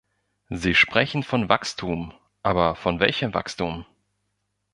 Sie sprechen von Wachstum, aber von welchem Wachstum?